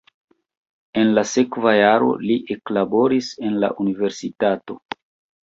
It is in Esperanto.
En la sekva jaro li eklaboris en la universitato.